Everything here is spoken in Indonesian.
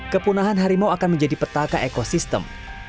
kepunahan harimau akan menjadi petaka ekosistem